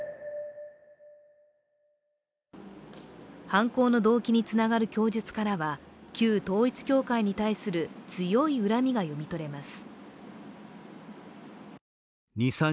犯行の動機につながる供述からは、旧統一教会に対する強い恨みが読み取れます。